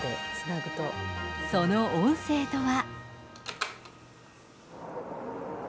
その音声とは。